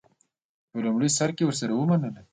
په لومړي سر کې ورسره ومنله.